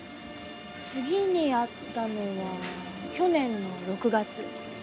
次に会ったのは去年の６月。